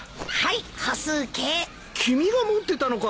君が持ってたのか。